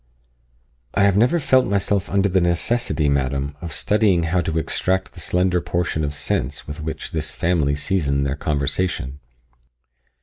"I have never felt myself under the necessity, madam, of studying how to extract the slender portion of sense with which this family season their conversation."